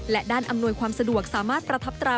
และด้านอำนวยความสะดวกสามารถประทับตรา